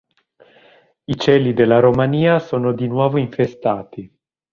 I cieli della Romania sono di nuovo infestati.